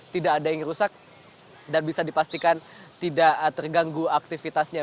tidak ada yang rusak dan bisa dipastikan tidak terganggu aktivitasnya